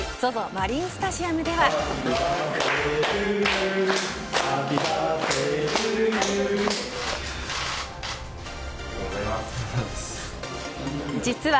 マリンスタジアムでは。